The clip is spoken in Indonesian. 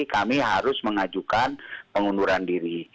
kami harus mengajukan pengunduran diri